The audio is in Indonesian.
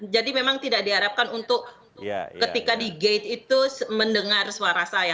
jadi memang tidak diharapkan untuk ketika di gate itu mendengar suara saya